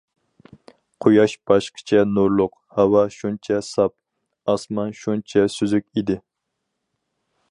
قۇياش باشقىچە نۇرلۇق، ھاۋا شۇنچە ساپ، ئاسمان شۇنچە سۈزۈك ئىدى.